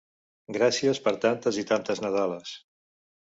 Gràcies per tantes i tantes nadales!